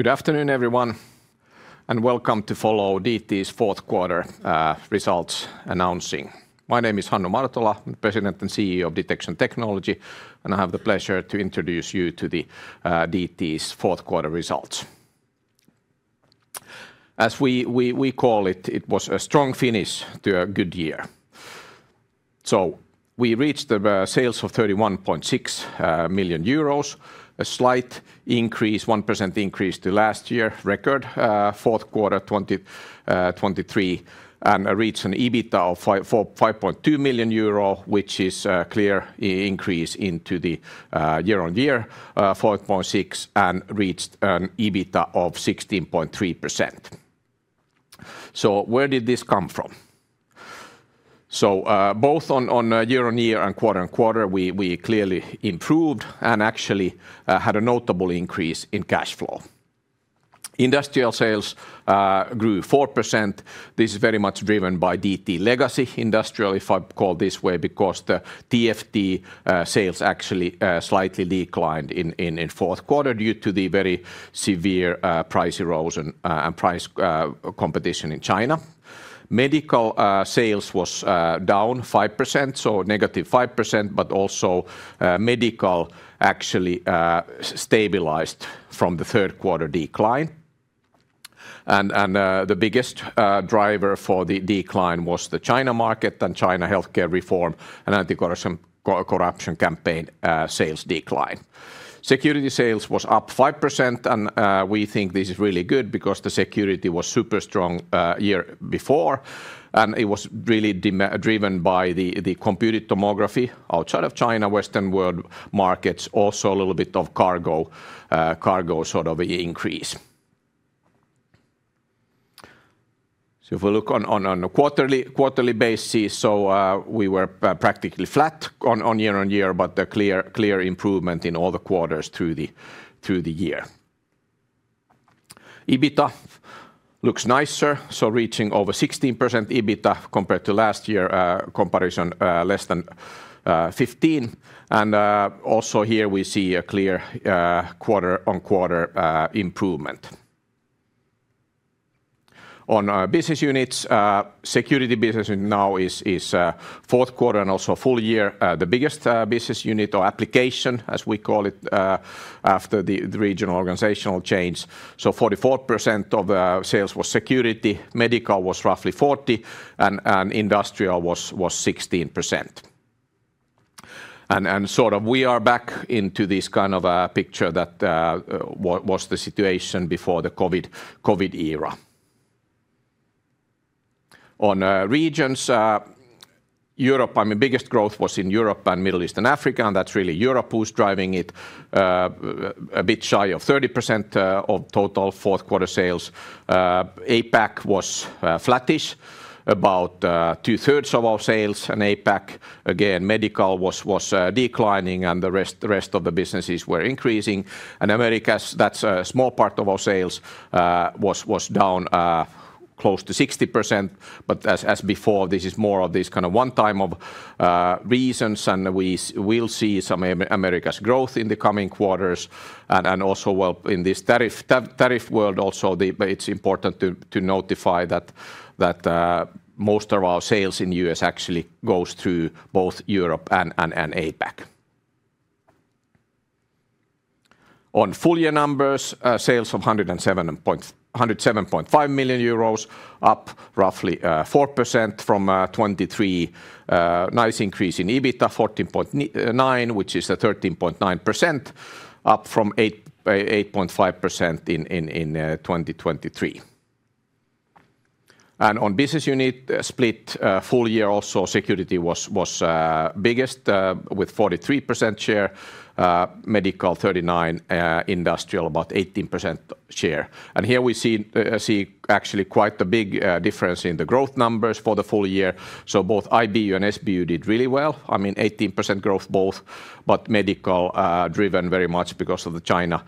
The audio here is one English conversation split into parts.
Good afternoon, everyone, and welcome to follow DT's fourth quarter results announcing. My name is Hannu Martola, President and CEO of Detection Technology, and I have the pleasure to introduce you to the DT's fourth quarter results. As we call it, it was a strong finish to a good year. We reached sales of 31.6 million euros, a slight increase, 1% increase to last year's record, fourth quarter 2023, and reached an EBITDA of 5.2 million euro, which is a clear increase into the year-on-year 4.6 and reached an EBITDA of 16.3%. Where did this come from? Both on year-on-year and quarter-on-quarter, we clearly improved and actually had a notable increase in cash flow. Industrial sales grew 4%. This is very much driven by DT legacy industrial, if I call it this way, because the TFT sales actually slightly declined in fourth quarter due to the very severe price erosion and price competition in China. Medical sales was down 5%, so negative 5%, but also medical actually stabilized from the third quarter decline. The biggest driver for the decline was the China market and China healthcare reform and anti-corruption campaign sales decline. Security sales was up 5%, and we think this is really good because the security was super strong the year before, and it was really driven by the computed tomography outside of China, Western world markets, also a little bit of cargo sort of increase. If we look on a quarterly basis, we were practically flat on year-on-year, but a clear improvement in all the quarters through the year. EBITDA looks nicer, so reaching over 16% EBITDA compared to last year, comparison less than 15%, and also here we see a clear quarter-on-quarter improvement. On business units, security business now is fourth quarter and also full year, the biggest business unit or application, as we call it, after the regional organizational change. 44% of sales was security, medical was roughly 40%, and industrial was 16%. And sort of we are back into this kind of a picture that was the situation before the COVID era. On regions, Europe, I mean biggest growth was in Europe and Middle East and Africa, and that's really Europe who's driving it, a bit shy of 30% of total fourth quarter sales. APAC was flattish, about two-thirds of our sales, and APAC, again, medical was declining, and the rest of the businesses were increasing. Americas, that's a small part of our sales, was down close to 60%, but as before, this is more of this kind of one-time reasons, and we will see some Americas growth in the coming quarters. Also in this tariff world, it's important to notify that most of our sales in the U.S. actually goes through both Europe and APAC. On full year numbers, sales of 107.5 million euros, up roughly 4% from 2023, nice increase in EBITDA, 14.9 million, which is 13.9%, up from 8.5% in 2023. On business unit split, full year also security was biggest with 43% share, medical 39%, industrial about 18% share. Here we see actually quite a big difference in the growth numbers for the full year. Both IBU and SBU did really well, I mean 18% growth both, but medical driven very much because of the China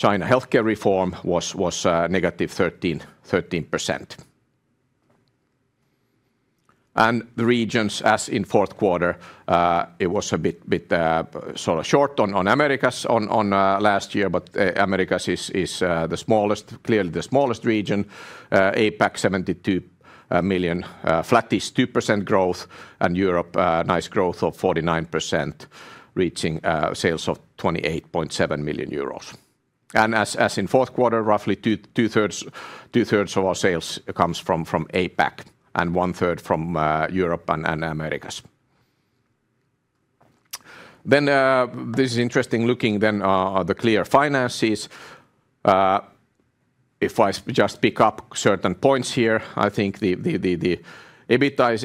healthcare reform was negative 13%. The regions, as in fourth quarter, it was a bit sort of short on Americas last year, but Americas is clearly the smallest region. APAC 72 million, flattish 2% growth, and Europe, nice growth of 49%, reaching sales of 28.7 million euros. As in fourth quarter, roughly two-thirds of our sales comes from APAC and one-third from Europe and Americas. This is interesting looking then at the clear finances. If I just pick up certain points here, I think the EBITDA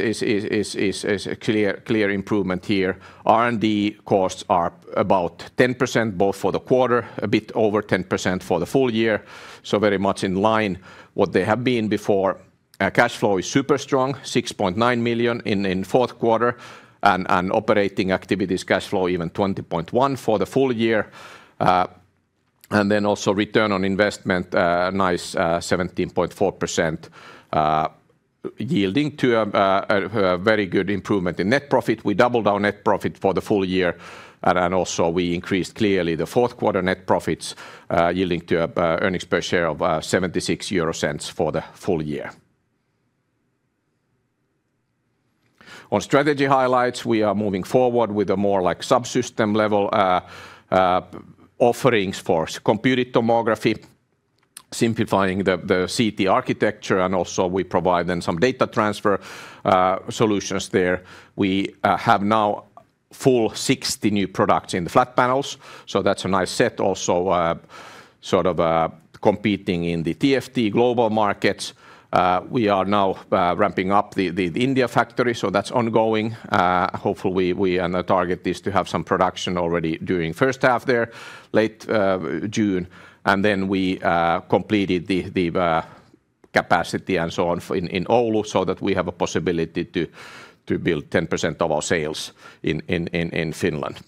is a clear improvement here. R&D costs are about 10% both for the quarter, a bit over 10% for the full year, so very much in line what they have been before. Cash flow is super strong, 6.9 million in fourth quarter, and operating activities cash flow even 20.1 million for the full year. Also, return on investment, nice 17.4% yielding to a very good improvement in net profit. We doubled our net profit for the full year, and also we increased clearly the fourth quarter net profits yielding to an earnings per share of 0.76 for the full year. On strategy highlights, we are moving forward with a more like subsystem level offerings for computed tomography, simplifying the CT architecture, and also we provide them some data transfer solutions there. We have now full 60 new products in the flat panels, so that's a nice set also sort of competing in the TFT global markets. We are now ramping up the India factory, so that's ongoing. Hopefully, we target this to have some production already during first half there, late June, and then we completed the capacity and so on in Oulu so that we have a possibility to build 10% of our sales in Finland.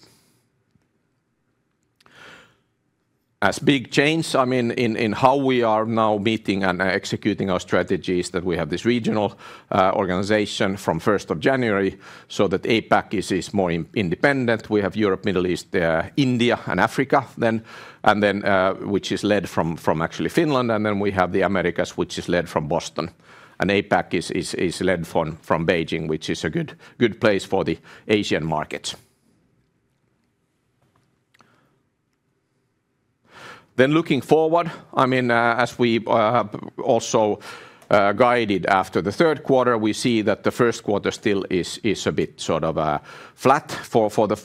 A big change, I mean in how we are now meeting and executing our strategy is that we have this regional organization from 1 January, so that APAC is more independent. We have Europe, Middle East, India, and Africa then, which is led from actually Finland, and we have the Americas, which is led from Boston. APAC is led from Beijing, which is a good place for the Asian markets. Looking forward, I mean as we also guided after the third quarter, we see that the first quarter still is a bit sort of flat for the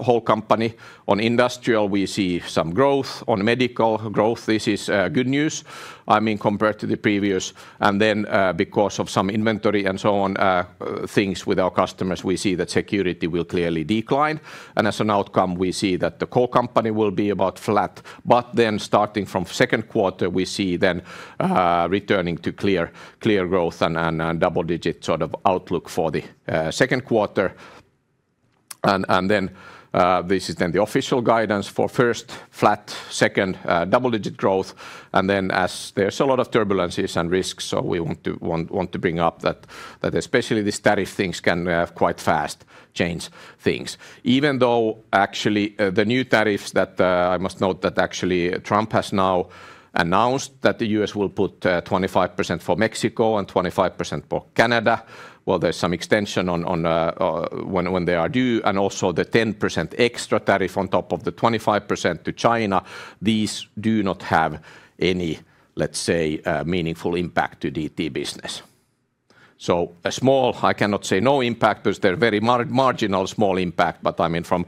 whole company. On industrial, we see some growth; on medical growth, this is good news, I mean compared to the previous. Then because of some inventory and so on, things with our customers, we see that security will clearly decline. As an outcome, we see that the core company will be about flat. Starting from second quarter, we see then returning to clear growth and double-digit sort of outlook for the second quarter. This is then the official guidance for first flat, second double-digit growth. As there is a lot of turbulence and risks, we want to bring up that especially the static things can quite fast change things. Even though actually the new tariffs that I must note that actually Trump has now announced that the U.S. will put 25% for Mexico and 25% for Canada, while there's some extension when they are due, and also the 10% extra tariff on top of the 25% to China, these do not have any, let's say, meaningful impact to DT business. A small, I cannot say no impact, because they're very marginal small impact, but I mean from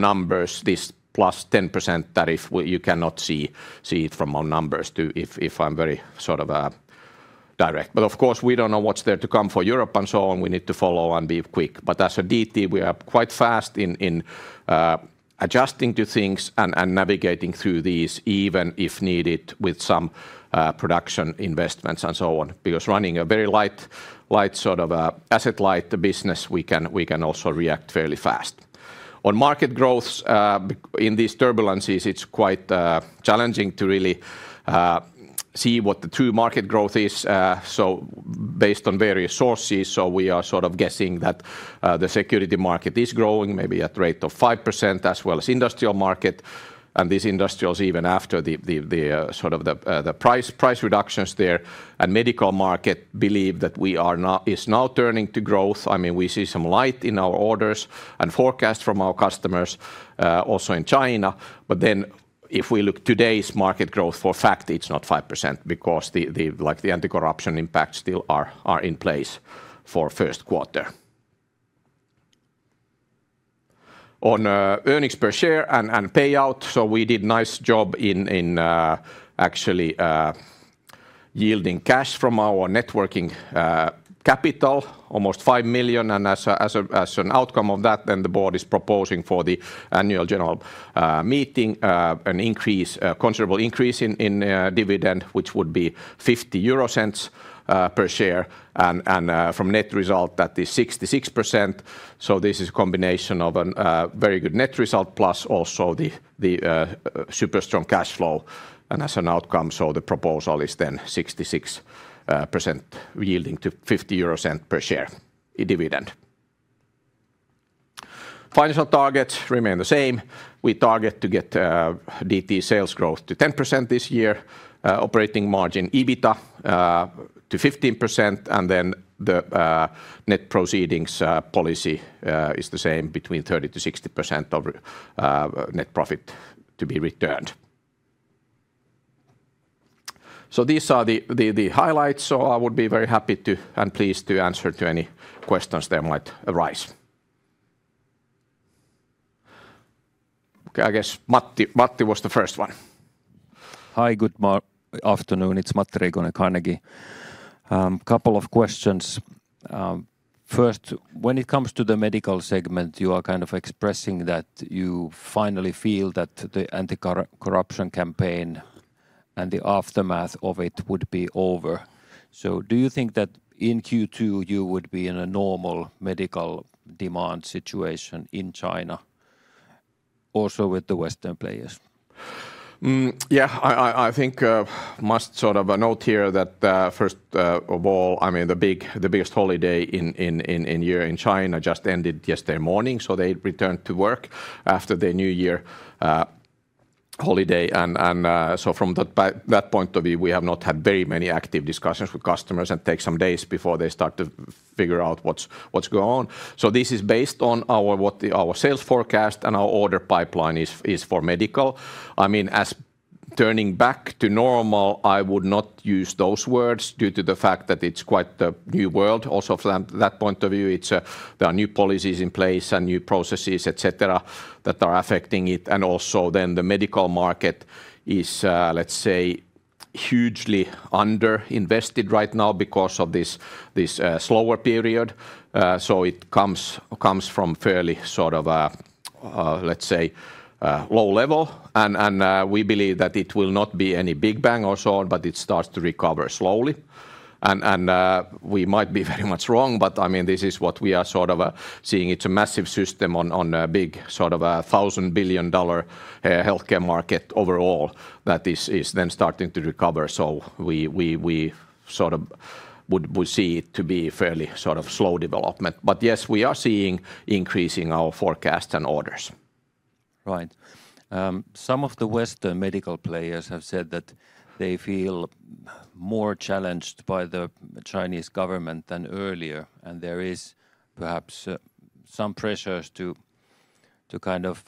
numbers, this plus 10% tariff, you cannot see it from our numbers if I'm very sort of direct. Of course, we don't know what's there to come for Europe and so on. We need to follow and be quick. As a DT, we are quite fast in adjusting to things and navigating through these even if needed with some production investments and so on. Because running a very light sort of asset light business, we can also react fairly fast. On market growth, in these turbulences, it's quite challenging to really see what the true market growth is. Based on various sources, we are sort of guessing that the security market is growing maybe at a rate of 5% as well as the industrial market. These industrials, even after the sort of the price reductions there, and the medical market believe that we are now turning to growth. I mean, we see some light in our orders and forecast from our customers also in China. If we look at today's market growth, for a fact, it's not 5% because the anti-corruption impacts still are in place for first quarter. On earnings per share and payout, we did a nice job in actually yielding cash from our networking capital, almost 5 million. As an outcome of that, the board is proposing for the annual general meeting an increase, a considerable increase in dividend, which would be 0.50 per share. From net result, that is 66%. This is a combination of a very good net result plus also the super strong cash flow. As an outcome, the proposal is 66% yielding to 0.50 per share dividend. Financial targets remain the same. We target to get DT sales growth to 10% this year, operating margin EBITDA to 15%, and the net proceedings policy is the same between 30%-60% of net profit to be returned. These are the highlights, so I would be very happy to and pleased to answer any questions that might arise. I guess Matti was the first one. Hi, good afternoon. It's Matti Riikunen, Carnegie. A couple of questions. First, when it comes to the medical segment, you are kind of expressing that you finally feel that the anti-corruption campaign and the aftermath of it would be over. Do you think that in Q2 you would be in a normal medical demand situation in China, also with the Western players? Yeah, I think I must sort of note here that first of all, I mean the biggest holiday in year in China just ended yesterday morning, so they returned to work after the New Year holiday. From that point of view, we have not had very many active discussions with customers and it takes some days before they start to figure out what's going on. This is based on our sales forecast and our order pipeline is for medical. I mean, as turning back to normal, I would not use those words due to the fact that it's quite the new world. Also from that point of view, there are new policies in place and new processes, etc., that are affecting it. Also, the medical market is, let's say, hugely underinvested right now because of this slower period. It comes from a fairly sort of, let's say, low level. We believe that it will not be any big bang or so on, but it starts to recover slowly. We might be very much wrong, but I mean this is what we are sort of seeing. It's a massive system on a big sort of $1,000 billion healthcare market overall that is then starting to recover. We sort of would see it to be fairly sort of slow development. Yes, we are seeing increasing our forecasts and orders. Right. Some of the western medical players have said that they feel more challenged by the Chinese government than earlier, and there is perhaps some pressures to kind of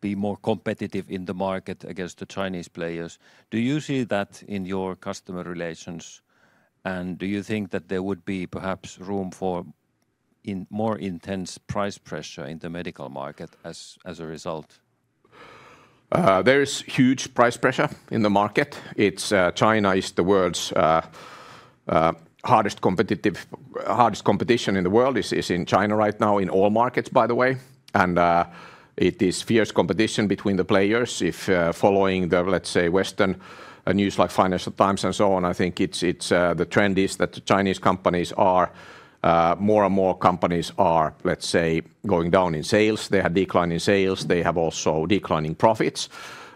be more competitive in the market against the Chinese players. Do you see that in your customer relations, and do you think that there would be perhaps room for more intense price pressure in the medical market as a result? There is huge price pressure in the market. China is the world's hardest competition in the world; it is in China right now in all markets, by the way. It is fierce competition between the players. If following the, let's say, Western news like Financial Times and so on, I think the trend is that Chinese companies are more and more companies are, let's say, going down in sales. They have declined in sales; they have also declining profits.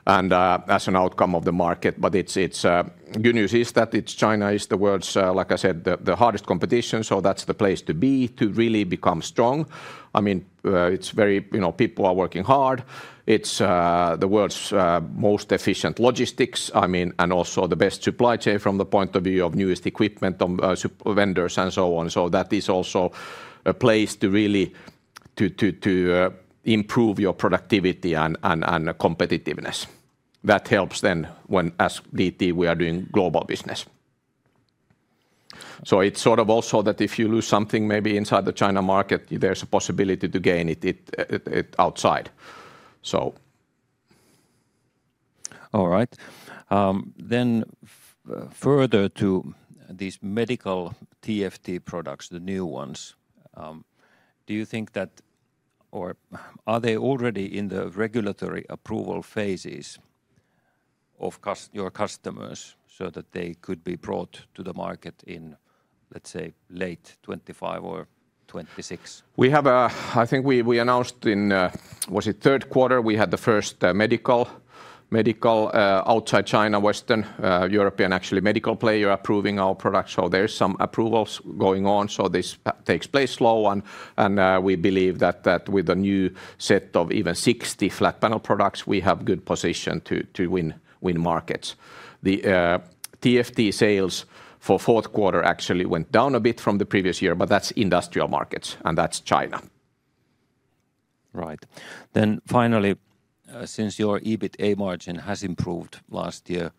As an outcome of the market, but it's good news is that China is the world's, like I said, the hardest competition, so that's the place to be to really become strong. I mean, it's very, you know, people are working hard. It's the world's most efficient logistics, I mean, and also the best supply chain from the point of view of newest equipment vendors and so on. That is also a place to really improve your productivity and competitiveness. That helps then when, as DT, we are doing global business. It is sort of also that if you lose something maybe inside the China market, there is a possibility to gain it outside. All right. Further to these medical TFT products, the new ones, do you think that, or are they already in the regulatory approval phases of your customers so that they could be brought to the market in, let's say, late 2025 or 2026? We have, I think we announced in, was it third quarter, we had the first medical outside China, Western European actually medical player approving our products. There are some approvals going on, so this takes place slow. We believe that with the new set of even 60 flat panel products, we have good position to win markets. The TFT sales for fourth quarter actually went down a bit from the previous year, but that's industrial markets and that's China. Right. Then finally, since your EBITA margin has improved last year,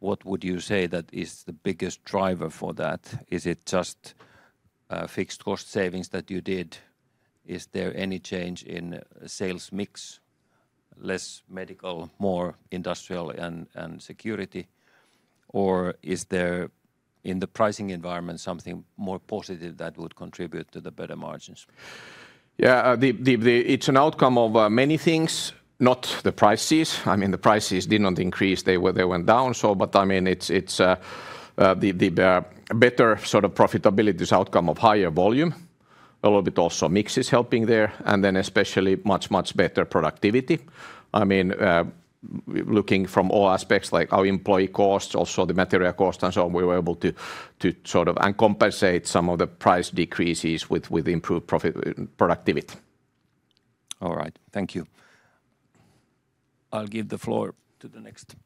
what would you say that is the biggest driver for that? Is it just fixed cost savings that you did? Is there any change in sales mix, less medical, more industrial and security? Or is there in the pricing environment something more positive that would contribute to the better margins? Yeah, it's an outcome of many things, not the prices. I mean, the prices did not increase; they went down. I mean, it's the better sort of profitability outcome of higher volume. A little bit also mix is helping there. And then especially much, much better productivity. I mean, looking from all aspects like our employee costs, also the material costs and so on, we were able to sort of compensate some of the price decreases with improved productivity. All right, thank you. I'll give the floor to the next.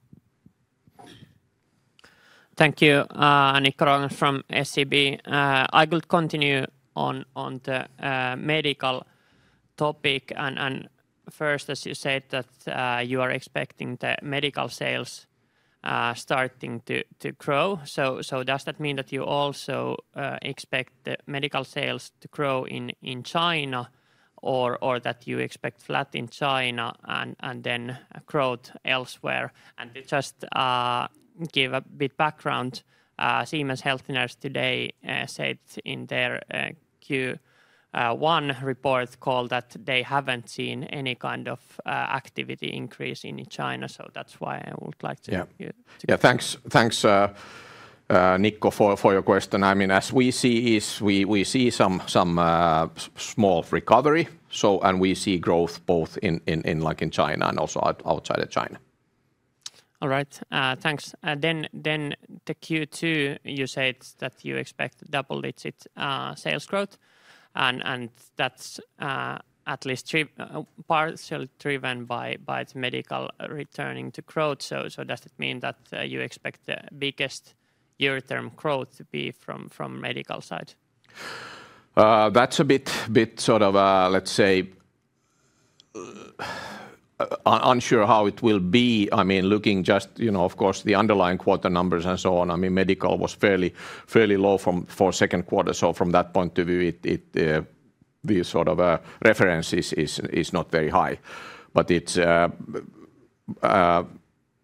Thank you, Annika Ragna from SEB. I could continue on the medical topic. First, as you said, that you are expecting the medical sales starting to grow. Does that mean that you also expect the medical sales to grow in China or that you expect flat in China and then growth elsewhere? Just give a bit of background. Siemens Healthineers today said in their Q1 report call that they haven't seen any kind of activity increase in China. That's why I would like to. Yeah, thanks, Niko, for your question. I mean, as we see, we see some small recovery. We see growth both in like in China and also outside of China. All right, thanks. The Q2, you said that you expect double-digit sales growth. That is at least partially driven by the medical returning to growth. Does it mean that you expect the biggest year-term growth to be from the medical side? That is a bit sort of, let's say, unsure how it will be. I mean, looking just, you know, of course, the underlying quarter numbers and so on. I mean, medical was fairly low for second quarter. From that point of view, the sort of reference is not very high.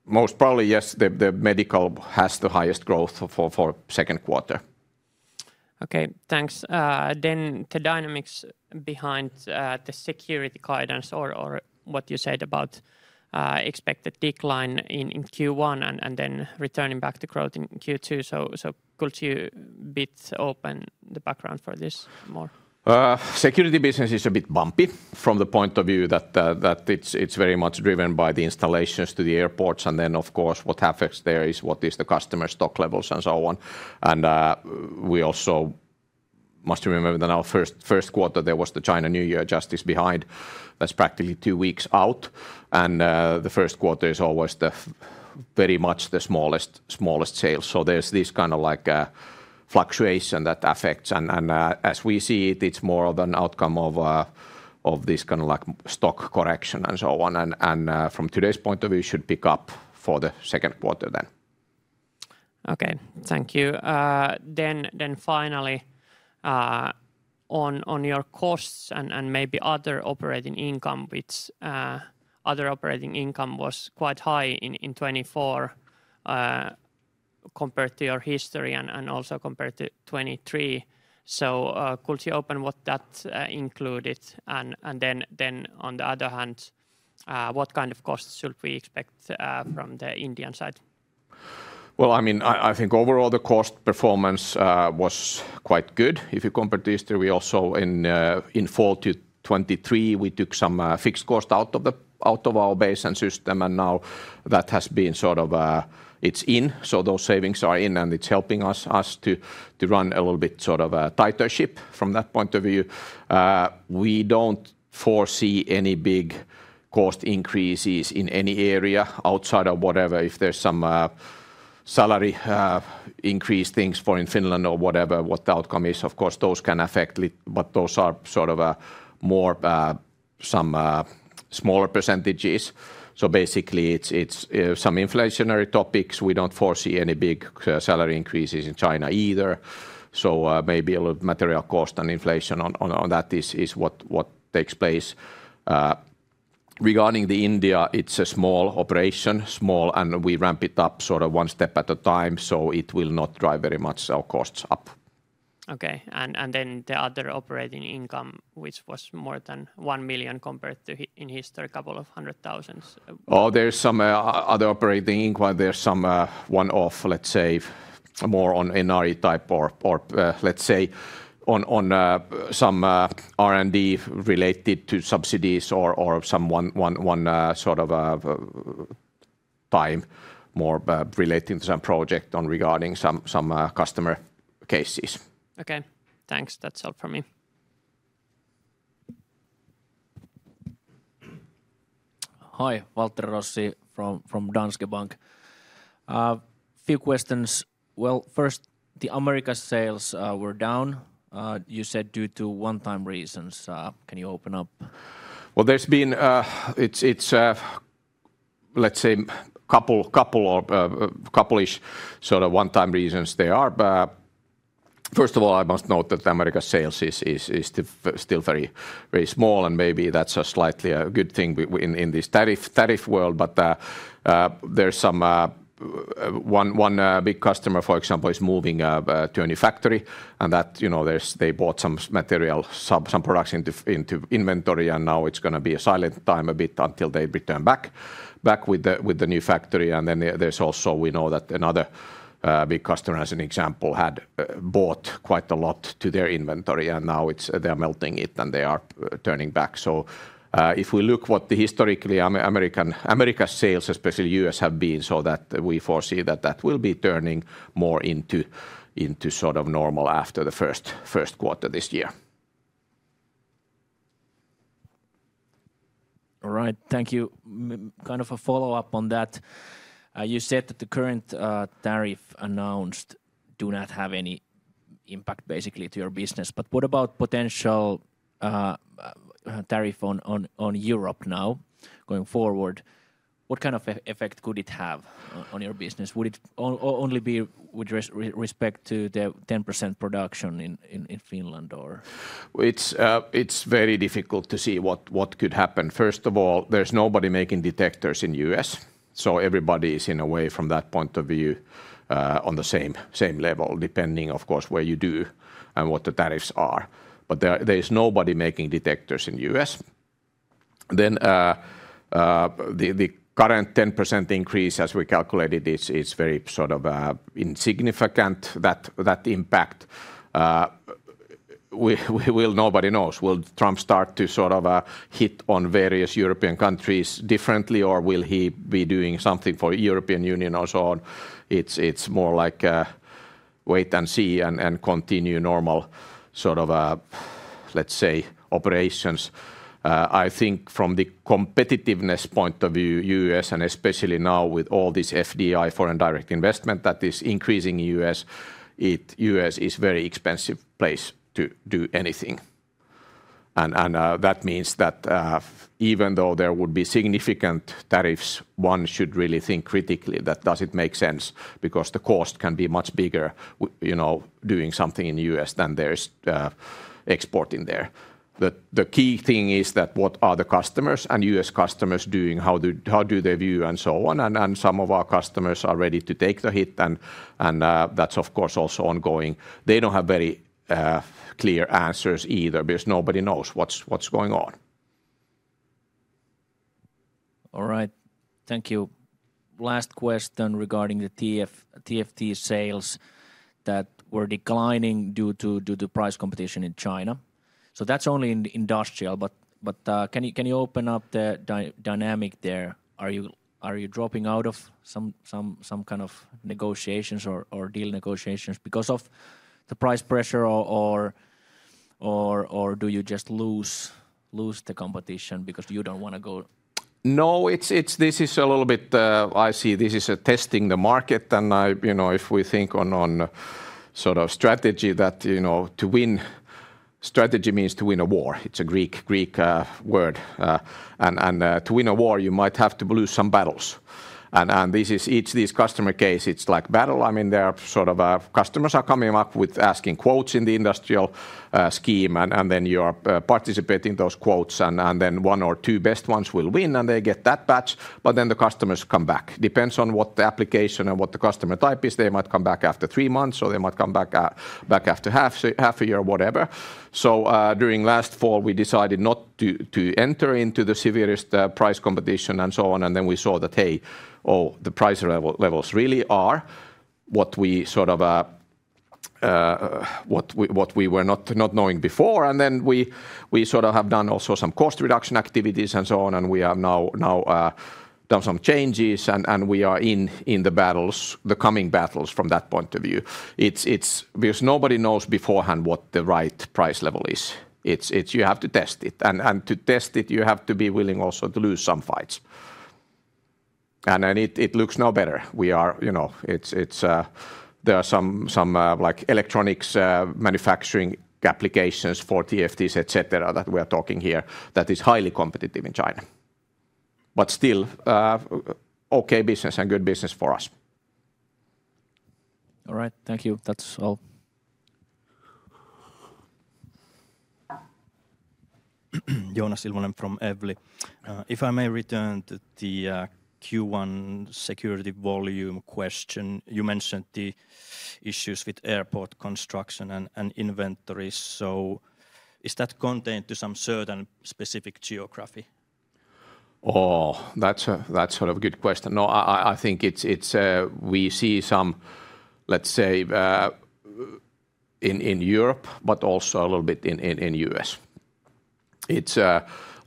Most probably, yes, the medical has the highest growth for second quarter. Okay, thanks. The dynamics behind the security guidance or what you said about expected decline in Q1 and then returning back to growth in Q2. Could you bit open the background for this more? Security business is a bit bumpy from the point of view that it is very much driven by the installations to the airports. What affects there is what is the customer stock levels and so on. We also must remember that our first quarter, there was the China New Year just behind. That is practically two weeks out. The first quarter is always very much the smallest sales. There is this kind of fluctuation that affects. As we see it, it is more of an outcome of this kind of stock correction and so on. From today's point of view, it should pick up for the second quarter then. Okay, thank you. Finally, on your costs and maybe other operating income, which other operating income was quite high in 2024 compared to your history and also compared to 2023. Could you open what that included? On the other hand, what kind of costs should we expect from the Indian side? I mean, I think overall the cost performance was quite good. If you compare to history, we also in fall 2023 took some fixed cost out of our base and system. Now that has been sort of it's in. Those savings are in and it's helping us to run a little bit sort of a tighter ship from that point of view. We do not foresee any big cost increases in any area outside of whatever. If there's some salary increase things for in Finland or whatever, what the outcome is, of course, those can affect. Those are sort of more some smaller percentages. Basically, it's some inflationary topics. We don't foresee any big salary increases in China either. Maybe a little material cost and inflation on that is what takes place. Regarding the India, it's a small operation, small, and we ramp it up sort of one step at a time. It will not drive very much our costs up. Okay. The other operating income, which was more than 1 million compared to in history, a couple of hundred thousand. There's some other operating income. There's some one-off, let's say, more on NRE type or let's say on some R&D related to subsidies or some one sort of time more relating to some project on regarding some customer cases. Okay, thanks. That's all from me. Hi, Waltteri Rossi from Danske Bank. A few questions. First, the America sales were down, you said, due to one-time reasons. Can you open up? There's been, let's say, a couple of couple-ish sort of one-time reasons there are. First of all, I must note that the America sales is still very, very small. Maybe that's a slightly good thing in this tariff world. There's some one big customer, for example, is moving to a new factory. That, you know, they bought some material, some products into inventory. It is going to be a silent time a bit until they return back with the new factory. There is also, we know that another big customer, as an example, had bought quite a lot to their inventory. Now they are melting it and they are turning back. If we look at what the historically Americas sales, especially U.S., have been, we foresee that will be turning more into sort of normal after the first quarter this year. All right, thank you. Kind of a follow-up on that. You said that the current tariff announced do not have any impact basically to your business. What about potential tariff on Europe now going forward? What kind of effect could it have on your business? Would it only be with respect to the 10% production in Finland or? It is very difficult to see what could happen. First of all, there's nobody making detectors in the U.S. So everybody is in a way from that point of view on the same level, depending of course where you do and what the tariffs are. But there is nobody making detectors in the U.S. Then the current 10% increase, as we calculated, it's very sort of insignificant. That impact, nobody knows. Will Trump start to sort of hit on various European countries differently or will he be doing something for the European Union or so on? It's more like wait and see and continue normal sort of, let's say, operations. I think from the competitiveness point of view, U.S., and especially now with all this FDI, foreign direct investment that is increasing in the U.S., U.S. is a very expensive place to do anything. That means that even though there would be significant tariffs, one should really think critically that does it make sense because the cost can be much bigger, you know, doing something in the U.S. than there is exporting there. The key thing is that what are the customers and U.S. customers doing? How do they view and so on? Some of our customers are ready to take the hit. That is of course also ongoing. They do not have very clear answers either because nobody knows what is going on. All right, thank you. Last question regarding the TFT sales that were declining due to price competition in China. That is only in industrial. Can you open up the dynamic there? Are you dropping out of some kind of negotiations or deal negotiations because of the price pressure or do you just lose the competition because you don't want to go? No, this is a little bit, I see this is testing the market. And if we think on sort of strategy that, you know, to win, strategy means to win a war. It's a Greek word. To win a war, you might have to lose some battles. Each of these customer cases, it's like battle. I mean, there are sort of customers are coming up with asking quotes in the industrial scheme. You are participating in those quotes. One or two best ones will win and they get that batch. The customers come back. Depends on what the application and what the customer type is. They might come back after three months or they might come back after half a year or whatever. During last fall, we decided not to enter into the severest price competition and so on. We saw that, hey, oh, the price levels really are what we sort of what we were not knowing before. We sort of have done also some cost reduction activities and so on. We have now done some changes. We are in the battles, the coming battles from that point of view. Nobody knows beforehand what the right price level is. You have to test it. To test it, you have to be willing also to lose some fights. It looks no better. We are, you know, there are some like electronics manufacturing applications for TFTs, etc., that we are talking here that is highly competitive in China. But still okay business and good business for us. All right, thank you. That's all. Joonas Ilvonen from Evli. If I may return to the Q1 security volume question, you mentioned the issues with airport construction and inventory. Is that contained to some certain specific geography? Oh, that's a sort of good question. No, I think we see some, let's say, in Europe, but also a little bit in the U.S. It's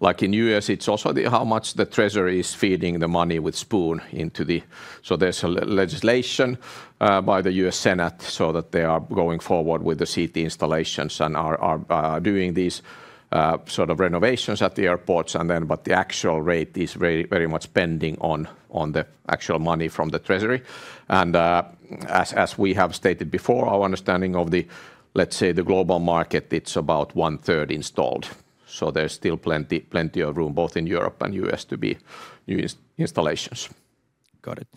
like in the U.S., it's also how much the treasury is feeding the money with spoon into the. There is a legislation by the U.S. Senate so that they are going forward with the seat installations and are doing these sort of renovations at the airports. The actual rate is very much pending on the actual money from the treasury. As we have stated before, our understanding of the, let's say, the global market, it's about one third installed. There is still plenty of room both in Europe and U.S. to be new installations. Got it.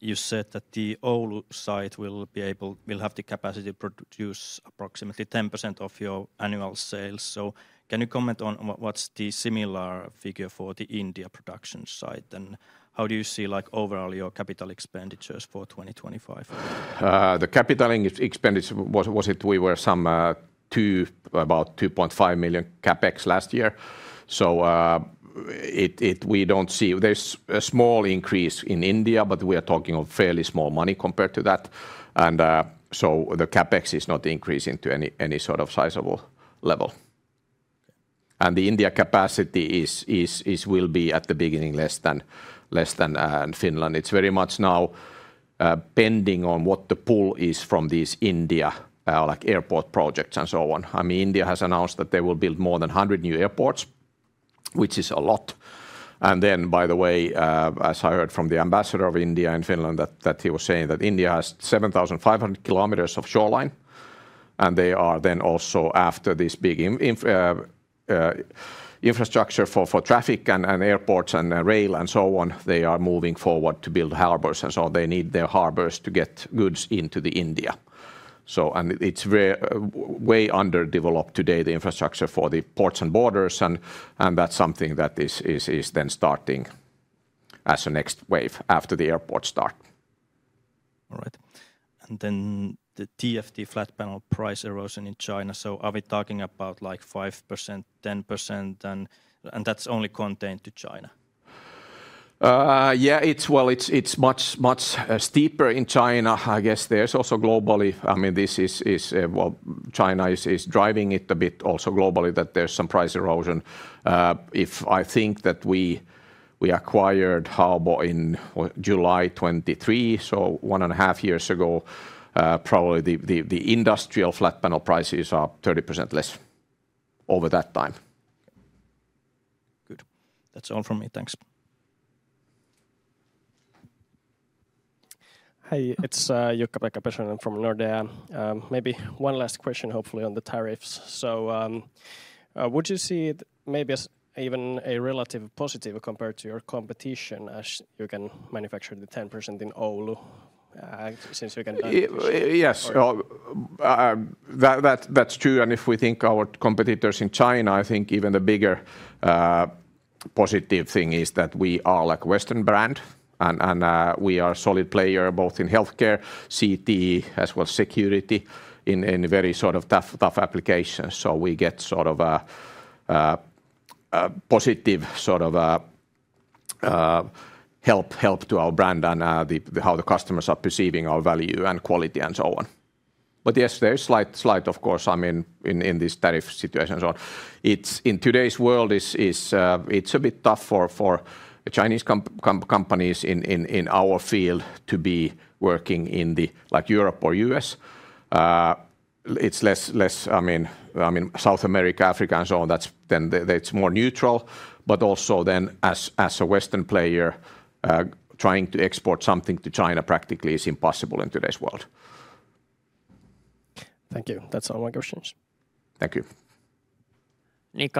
You said that the Oulu site will be able, will have the capacity to produce approximately 10% of your annual sales. Can you comment on what's the similar figure for the India production site? How do you see like overall your capital expenditures for 2025? The capital expenditure was, we were some about 2.5 million CapEx last year. We do not see, there is a small increase in India, but we are talking of fairly small money compared to that. The CapEx is not increasing to any sort of sizable level. The India capacity will be at the beginning less than Finland. It's very much now pending on what the pull is from these India like airport projects and so on. I mean, India has announced that they will build more than 100 new airports, which is a lot. By the way, as I heard from the ambassador of India in Finland, he was saying that India has 7,500 kilometers of shoreline. They are then also after this big infrastructure for traffic and airports and rail and so on, they are moving forward to build harbors and so on. They need their harbors to get goods into the India. It is way underdeveloped today, the infrastructure for the ports and borders. That is something that is then starting as a next wave after the airport start. All right. Then the TFT flat panel price erosion in China. Are we talking about like 5%, 10%? That is only contained to China? Yeah, it is much steeper in China. I guess there is also globally, I mean, this is, China is driving it a bit also globally that there is some price erosion. If I think that we acquired Haubo in July 2023, so one and a half years ago, probably the industrial flat panel prices are 30% less over that time. Good. That is all from me. Thanks. Hey, it is Jukka-Pekka Pesonen from Nordea. Maybe one last question, hopefully on the tariffs. Would you see it maybe as even a relative positive compared to your competition as you can manufacture the 10% in Oulu since you can? Yes, that is true. If we think our competitors in China, I think even the bigger positive thing is that we are like a Western brand and we are a solid player both in healthcare, CT, as well as security in very sort of tough applications. We get sort of a positive sort of help to our brand and how the customers are perceiving our value and quality and so on. Yes, there's slight, of course, I mean, in this tariff situation and so on. In today's world, it's a bit tough for Chinese companies in our field to be working in the like Europe or U.S. It's less, I mean, South America, Africa and so on. That's then it's more neutral. Also, as a Western player trying to export something to China practically is impossible in today's world. Thank you. That's all my questions. Thank you. I have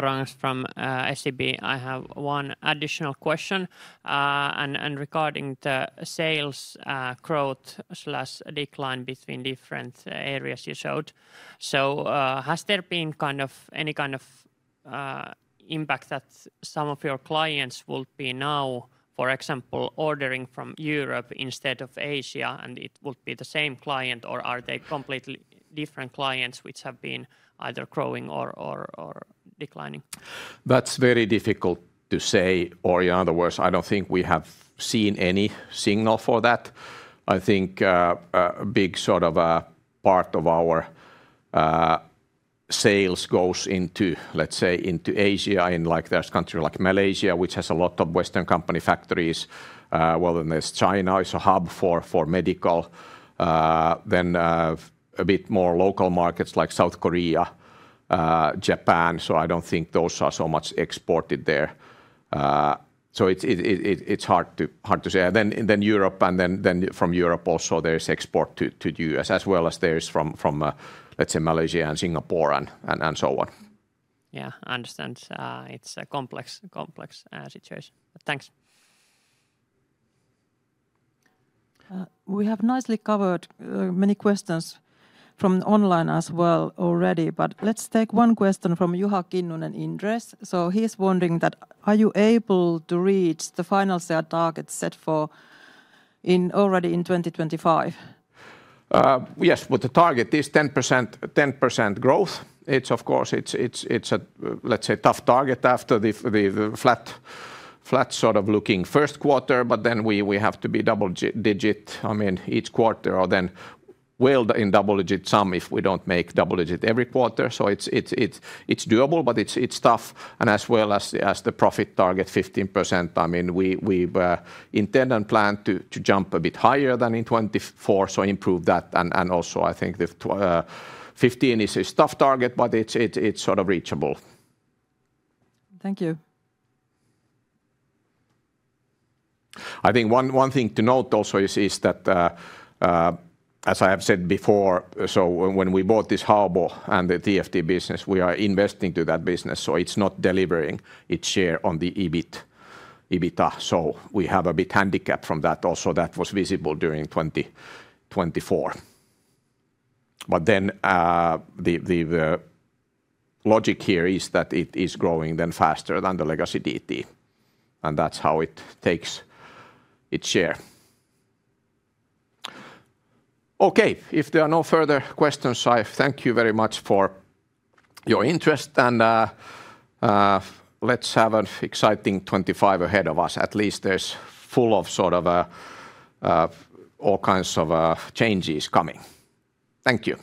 one additional question. Regarding the sales growth slash decline between different areas you showed, has there been any kind of impact that some of your clients would be now, for example, ordering from Europe instead of Asia? It would be the same client or are they completely different clients which have been either growing or declining? That's very difficult to say. In other words, I don't think we have seen any signal for that. I think a big sort of part of our sales goes into, let's say, into Asia and like there's countries like Malaysia, which has a lot of Western company factories. There is China, it's a hub for medical. Then a bit more local markets like South Korea, Japan. I don't think those are so much exported there. It's hard to say. Europe and then from Europe also there's export to the U.S. as well as there's from, let's say, Malaysia and Singapore and so on. Yeah, I understand. It's a complex situation. Thanks. We have nicely covered many questions from online as well already. Let's take one question from Juha Kinnunen Inderes. He's wondering that are you able to reach the final sale target set for already in 2025? Yes, but the target is 10% growth. It's of course, it's a, let's say, tough target after the flat sort of looking first quarter. We have to be double digit, I mean, each quarter or then weld in double digit sum if we don't make double digit every quarter. It's doable, but it's tough. As well as the profit target 15%, I mean, we intend and plan to jump a bit higher than in 2024. Improve that. I think the 15 is a tough target, but it's sort of reachable. Thank you. I think one thing to note also is that as I have said before, when we bought this Haubo and the TFT business, we are investing to that business. It's not delivering its share on the EBITDA. We have a bit handicap from that also. That was visible during 2024. The logic here is that it is growing then faster than the legacy DT. That's how it takes its share. If there are no further questions, I thank you very much for your interest. Let's have an exciting 2025 ahead of us. At least there's full of sort of all kinds of changes coming. Thank you.